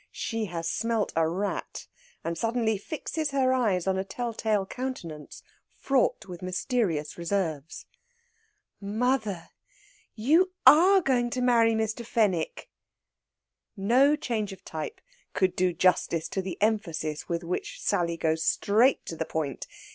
She has smelt a rat, and suddenly fixes her eyes on a tell tale countenance fraught with mysterious reserves. "Mother, you are going to marry Mr. Fenwick!" No change of type could do justice to the emphasis with which Sally goes straight to the point.